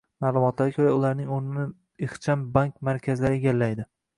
Ma'lumotlarga ko'ra, ularning o'rnini ixcham bank markazlari egallaydi